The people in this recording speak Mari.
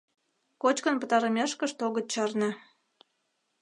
— Кочкын пытарымешкышт огыт чарне.